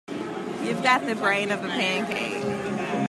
You've got the brain of a pancake.